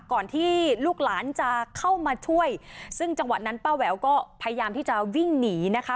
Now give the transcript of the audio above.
ก่อนที่ลูกหลานจะเข้ามาช่วยซึ่งจังหวะนั้นป้าแหววก็พยายามที่จะวิ่งหนีนะคะ